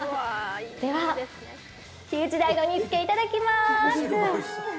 ではヒウチダイの煮付け、いただきます。